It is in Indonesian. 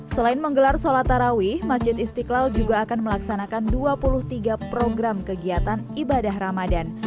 selain menggelar sholat tarawih masjid istiqlal juga akan melaksanakan dua puluh tiga program kegiatan ibadah ramadan